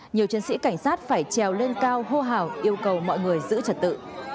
nhiều chiến sĩ cảnh sát phải trèo lên cao hô hào yêu cầu mọi người giữ trật tự